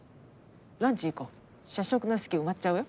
ランチ行こう社食の席埋まっちゃうよ。